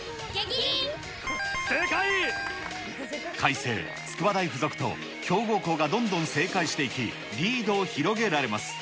開成、筑波大附属と、強豪校がどんどん正解していき、リードを広げられます。